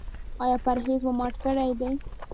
ایا پرهیز مو مات کړی دی؟